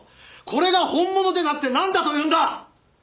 これが本物でなくてなんだというんだ！？